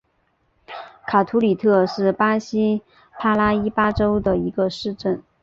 卡图里特是巴西帕拉伊巴州的一个市镇。